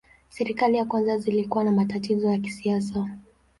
Serikali za kwanza zilikuwa na matatizo ya kisiasa.